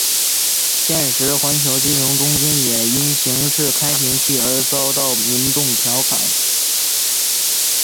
现时环球金融中心也因形如开瓶器而遭到民众调侃。